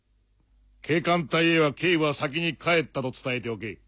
警官隊へは警部は先に帰ったと伝えておけ。